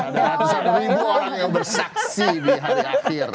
ada ratusan ribu orang yang bersaksi di hari akhir